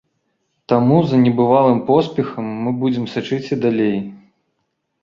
Таму за небывалым поспехам мы будзем сачыць і далей.